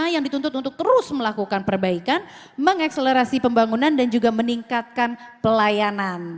yang dituntut untuk terus melakukan perbaikan mengakselerasi pembangunan dan juga meningkatkan pelayanan